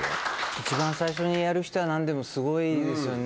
一番最初にやる人は何でもすごいですよね。